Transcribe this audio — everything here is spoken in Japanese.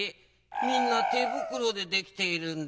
みんなてぶくろでできているんだ。